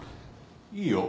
いいよ。